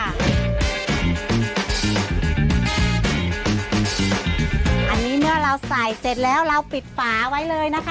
อันนี้เมื่อเราใส่เสร็จแล้วเราปิดฝาไว้เลยนะคะ